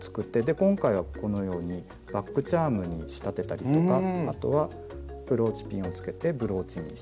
今回はこのようにバッグチャームに仕立てたりとかあとはブローチピンをつけてブローチにしたりとか。